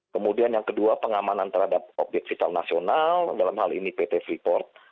kemudian yang kedua pengamanan terhadap objek vital nasional dalam hal ini pt freeport